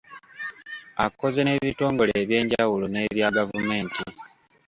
Akoze n'ebitongole eby'enjawulo n'ebya gavumenti.